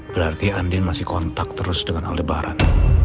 berarti andin masih kontak terus dengan aldebaran